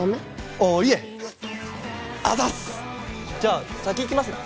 ああいえあざっすじゃあ先行きますね